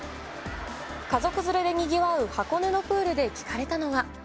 家族連れでにぎわう箱根のプールで聞かれたのは。